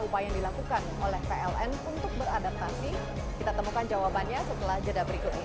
upaya yang dilakukan oleh pln untuk beradaptasi kita temukan jawabannya setelah jeda berikut ini